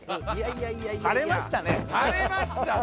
晴れましたね。